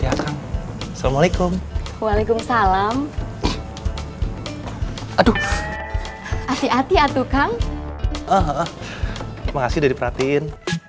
ya kang assalamualaikum waalaikumsalam aduh hati hati atuh kang makasih udah diperhatiin